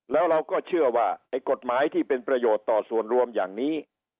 แล้วเราก็เชื่อว่าไอ้กฎหมายที่เป็นประโยชน์ต่อส่วนรวมอย่างนี้